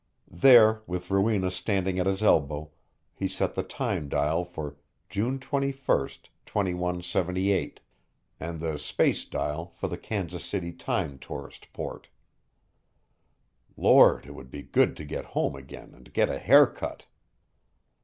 There, with Rowena standing at his elbow, he set the time dial for June 21, 2178 and the space dial for the Kansas City Time Tourist Port. Lord, it would be good to get home again and get a haircut!